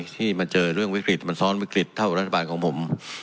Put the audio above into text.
ที่มาเจอเรื่องวิกฤตมันซ้อนวิกฤตเท่ากับรัฐบาลของผม